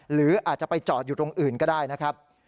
หรืออาจจะไปจอดอยู่ตรงอื่นก็ได้นะครับ